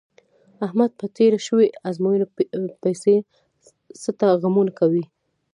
احمد په تېره شوې ازموینه پسې څټه غمونه کوي.